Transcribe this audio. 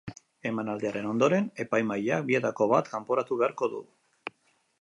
Emanaldiaren ondoren, epaimahaiak bietako bat kanporatu beharko du.